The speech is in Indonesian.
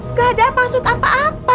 nggak ada maksud apa apa